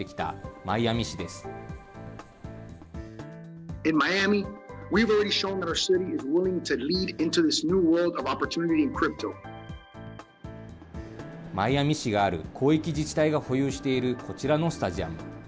マイアミ市がある広域自治体が保有しているこちらのスタジアム。